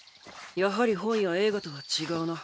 やはり本や映画とは違うな。